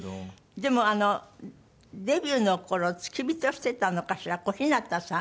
でもデビューの頃付き人してたのかしら小日向さん？